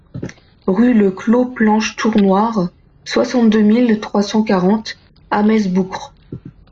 Rue Le Clos Planche Tournoire, soixante-deux mille trois cent quarante Hames-Boucres